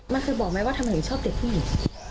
มันเคยบอกไหมว่าทำไมหนูชอบเด็กผู้หญิง